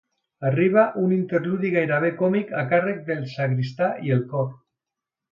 Arriba un interludi gairebé còmic a càrrec del sagristà i el cor.